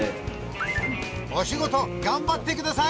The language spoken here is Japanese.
お仕事頑張ってください！